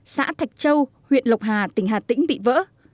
xã thạch châu huyện lộc hà tỉnh hà tĩnh bị vỡ